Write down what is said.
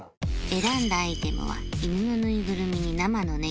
選んだアイテムは犬のぬいぐるみに生のねぎ